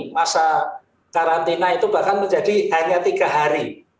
masa karantina itu bahkan menjadi hanya tiga hari